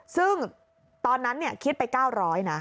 ซึ่งตอนนั้นคิดไป๙๐๐นะ